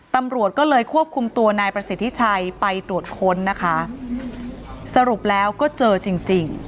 ตำรวจก็เลยควบคุมตัวนายประสิทธิชัยไปตรวจค้นนะคะสรุปแล้วก็เจอจริงจริง